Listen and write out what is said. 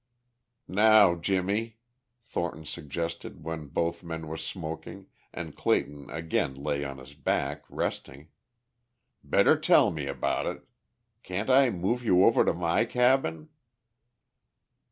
"Now, Jimmie," Thornton suggested when both men were smoking, and Clayton again lay on his back, resting, "better tell me about it. Can't I move you over to my cabin?"